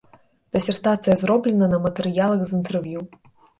Дысертацыя зроблена на матэрыялах з інтэрв'ю.